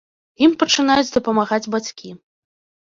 Ім пачынаюць дапамагаць бацькі!